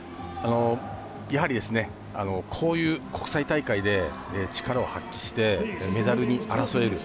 やはりこういう国際大会で力を発揮してメダルに争える。